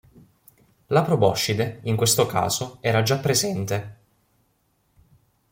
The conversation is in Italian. La proboscide, in questo caso, era già presente.